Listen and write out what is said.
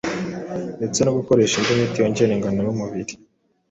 ndetse no gukoresha indi miti yongera ingano y’umubiri